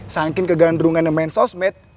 sangking kegandrungan yang main sosmed